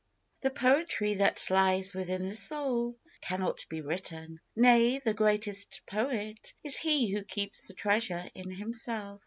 ^/ THE poetry that lies within the soul Cannot be written, nay, the greatest poet Is he who keeps the treasure in himself.